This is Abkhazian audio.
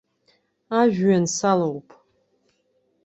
Ажәҩан салоуп.